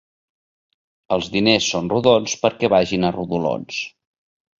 Els diners són rodons perquè vagin a rodolons.